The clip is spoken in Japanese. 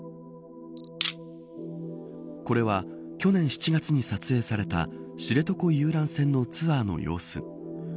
これは、去年７月に撮影された知床遊覧船のツアーの様子。